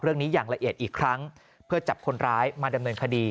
อย่างละเอียดอีกครั้งเพื่อจับคนร้ายมาดำเนินคดี